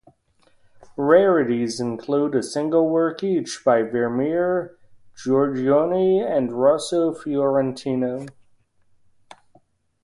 Rarities include a single work each by Vermeer, Giorgione and Rosso Fiorentino.